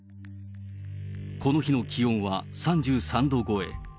この日の気温は３３度超え。